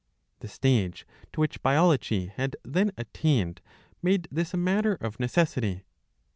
The stage to^vhich biology had then attained made this a matter of necessity.